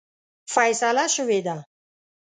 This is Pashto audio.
فیصله شوې ده.